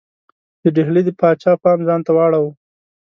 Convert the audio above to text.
د ډهلي د پاچا پام ځانته واړاوه.